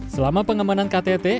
selama pengemanan ktt